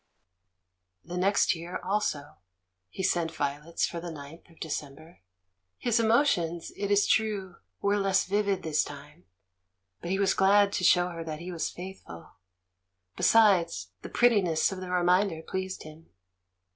The next year, also, he sent violets for the ninth of December. His emotions it is true, were less vivid this time, but he was glad to show her that he was faithful ; besides, the prettiness of the reminder pleased him.